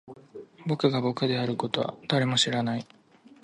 僕が僕であることは誰も知らない